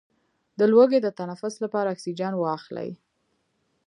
د لوګي د تنفس لپاره اکسیجن واخلئ